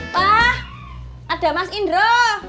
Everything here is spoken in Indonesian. pak ada mas indro